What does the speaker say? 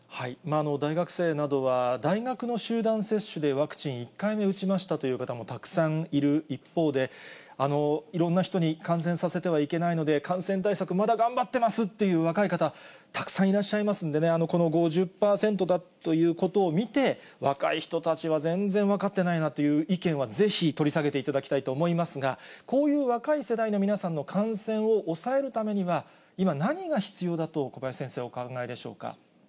大学生などは大学の集団接種でワクチン１回目打ちましたという方もたくさんいる一方で、いろんな人に感染させてはいけないので、感染対策、まだ頑張ってますという若い方、たくさんいらっしゃいますんでね、この５０％だということを見て、若い人たちは全然分かってないなという意見はぜひ取り下げていただきたいと思いますが、こういう若い世代の皆さんの感染を抑えるためには、今、何が必要だと小林先生、お考えでしょうか。